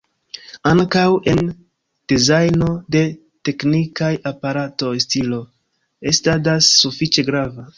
Ankaŭ en dezajno de teknikaj aparatoj stilo estadas sufiĉe grava.